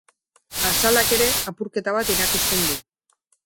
Azalak ere apurketa bat erakusten du.